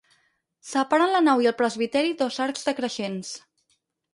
Separen la nau i el presbiteri dos arcs decreixents.